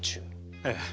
ええ。